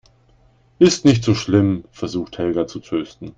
Ist nicht so schlimm, versucht Helga zu trösten.